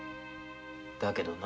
だけどな。